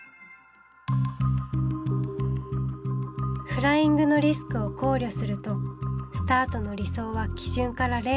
フライングのリスクを考慮するとスタートの理想は基準から０．１秒後。